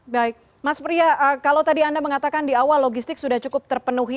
baik mas priya kalau tadi anda mengatakan di awal logistik sudah cukup terpenuhi